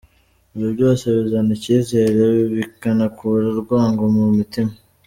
Ibyo byose bizana icyizere bikanakura urwango mu mitima.